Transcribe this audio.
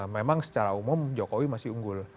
memang secara umum jokowi masih unggul